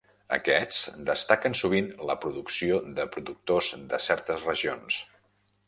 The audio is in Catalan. Aquests destaquen sovint la producció de productors de certes regions.